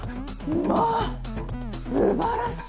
まあすばらしい。